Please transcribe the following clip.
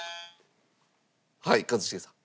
はい一茂さん。